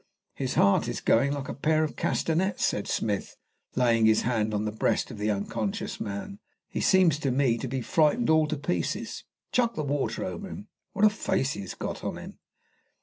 "His heart is going like a pair of castanets," said Smith, laying his hand on the breast of the unconscious man. "He seems to me to be frightened all to pieces. Chuck the water over him! What a face he has got on him!"